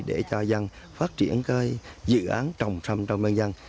để cho dân phát triển cây dự án trồng sâm trong bên dân